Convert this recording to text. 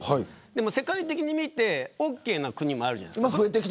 でも世界的に見てオーケーな国もあるじゃないですか。